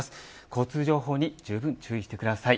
交通情報にじゅうぶん注意してください。